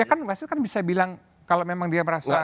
ya kan masyarakat kan bisa bilang kalau memang dia merasa